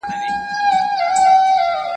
موږ هیڅکله دروغجن بحث نه دی کړی.